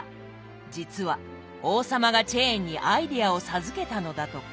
実は王様がチェーンにアイデアを授けたのだとか。